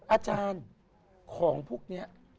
อาจารย์ของพวกนี้